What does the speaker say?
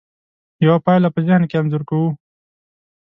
یوه پایله په ذهن کې انځور کوو.